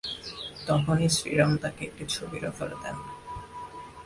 তখনই শ্রীরাম তাকে একটি ছবির অফার দেন।